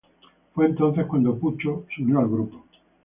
Fue entonces cuando Pucho se unió al grupo.